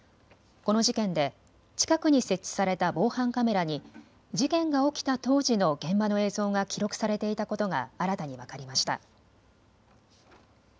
この事件で近くに設置された防犯カメラに事件が起きた当時の現場の映像が記録されていたことが新たに分かりました。